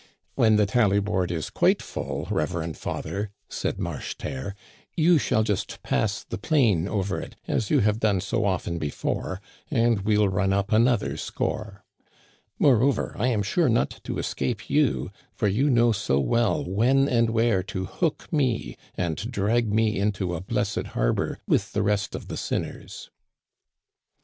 '* When the tally board is quite full, reverend father," said Marcheterre, " you shall just pass the plane over it, as yoii have done so often before, and well run up an other score. Moreover, I am sure not to escape you, for you know so well when and where to hook me and Digitized by VjOOQIC 8o THE CANADIANS OF OLD, drag me into a blessed harbor with the rest of the sin ners."